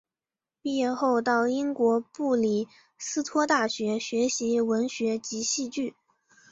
毕业后到英国布里斯托大学学习文学及戏剧。